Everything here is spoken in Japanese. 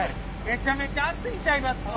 めちゃめちゃ熱いんちゃいますの。